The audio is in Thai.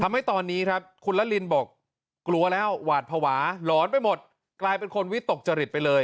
ทำให้ตอนนี้ครับคุณละลินบอกกลัวแล้วหวาดภาวะหลอนไปหมดกลายเป็นคนวิตกจริตไปเลย